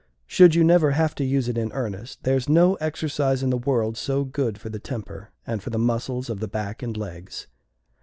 Should you never have to use it in earnest there's no exercise in the world so good for the temper, and for the muscles of the back and legs.